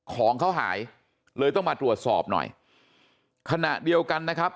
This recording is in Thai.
ของเขาหายเลยต้องมาตรวจสอบหน่อยขณะเดียวกันนะครับ